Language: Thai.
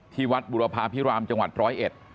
ที่วัดบุรพาพิรามจังหวัดร้อยเอ็ด